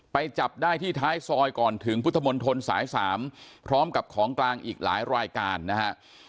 จับได้ที่ท้ายซอยก่อนถึงพุทธมนตรสาย๓พร้อมกับของกลางอีกหลายรายการนะฮะ